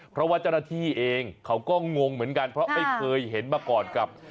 เพราะว่าเจ้าหน้าที่เองเขาก็งงเหมือนกันเพราะไม่เคยเห็นมาก่อนกับ